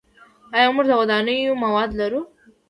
آیا موږ د ودانیو مواد لرو؟